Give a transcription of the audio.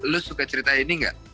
lo suka cerita ini nggak